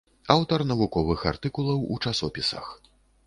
Аўтар навуковых артыкулаў у часопісах.